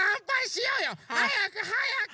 はやくはやく！